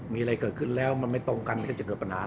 มีอะไรเกิดขึ้นแล้วมันไม่ตรงกันก็จะเกิดปัญหา